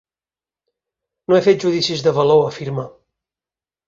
No he fet judicis de valor, afirma.